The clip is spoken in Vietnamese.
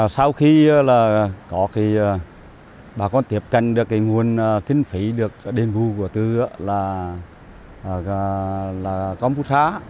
sau khi bà con tiếp cận được nguồn kinh phí được đền hưu của tư là công phú xã